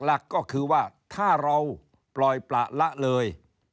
หลักก็คือว่าถ้าเราปล่อยประละเลย